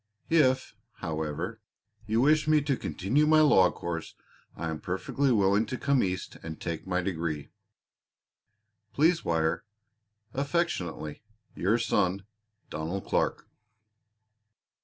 If, however, you wish me to continue my law course I am perfectly willing to come East and take my degree. Please wire. Affectionately your son, DONALD CLARK.